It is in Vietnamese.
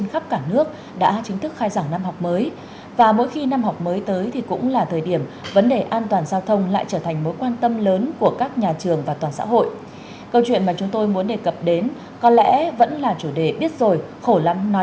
hướng phát tán tại vị trí cách hàng rào hai trăm linh m năm trăm linh m đều phát hiện có thủy ngân vượt chuẩn